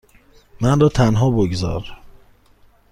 من را تنها بگذار.